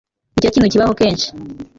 nicyo kintu kibaho kenshi